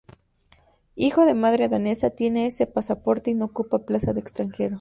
Hijo de madre danesa, tiene ese pasaporte y no ocupa plaza de extranjero.